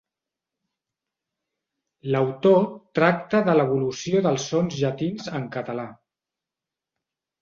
L'autor tracta de l'evolució dels sons llatins en català.